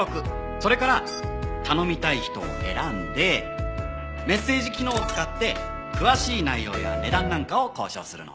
それから頼みたい人を選んでメッセージ機能を使って詳しい内容や値段なんかを交渉するの。